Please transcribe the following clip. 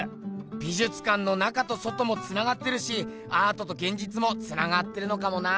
美じゅつかんの中と外もつながってるしアートとげんじつもつながってるのかもな。